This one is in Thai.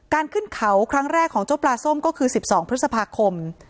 ขึ้นเขาครั้งแรกของเจ้าปลาส้มก็คือ๑๒พฤษภาคม